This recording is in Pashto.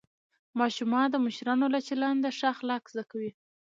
ماشومان د مشرانو له چلنده ښه اخلاق زده کوي